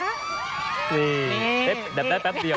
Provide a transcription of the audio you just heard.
นี่แบบได้แป๊บเดียว